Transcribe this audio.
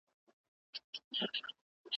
بېشمېره قربانۍ ورکړي دي. انسان د خلقت